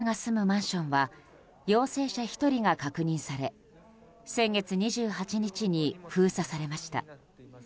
ＡＮＮの記者が住むマンションは陽性者１人が確認され先月２８日に封鎖されました。